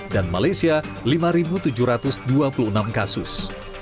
dan malaysia lima tujuh ratus dua puluh enam kasus